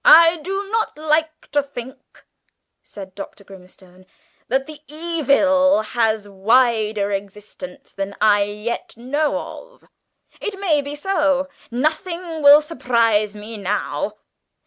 "I do not like to think," said Dr. Grimstone, "that the evil has a wider existence than I yet know of. It may be so; nothing will surprise me now.